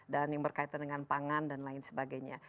dan yang berkaitan dengan pangan dan lain sebagainya